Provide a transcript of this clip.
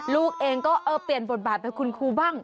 ลูกเองก็เออเปลี่ยนบทบาทเป็นคุณครูบ้าง